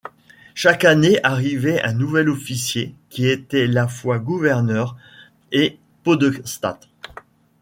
Chaque année arrivait un nouvel officier qui était la fois gouverneur et podestat.